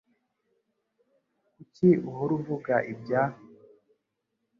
Kuki uhora uvuga ibya ?